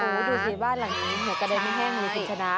โอ้โฮดูทีบ้านหลังนี้เหลือกระเด็นไม่แห้งคุณชนะ